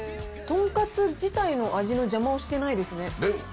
とんかつ自体の味の邪魔をしてないですね。